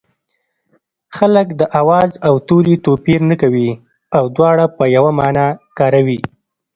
خلک د آواز او توري توپیر نه کوي او دواړه په یوه مانا کاروي